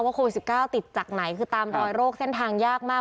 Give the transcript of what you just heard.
โควิด๑๙ติดจากไหนคือตามรอยโรคเส้นทางยากมาก